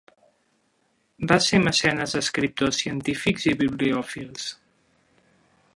Va ser mecenes d'escriptors, científics i bibliòfils.